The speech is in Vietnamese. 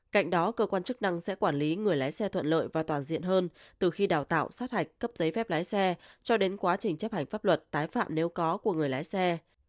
cạnh đó cơ quan chức năng sẽ quản lý người lái xe thuận lợi và toàn diện hơn từ khi đào tạo sát hạch cấp giấy phép lái xe cho đến quá trình chấp hành pháp luật tái phạm nếu có của người lái xe